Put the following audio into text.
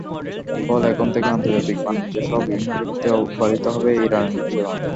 ফলে এখন থেকে আন্তর্জাতিক বাণিজ্যসহ বিভিন্ন ক্ষেত্রে অবারিত হবে ইরানের বিচরণ।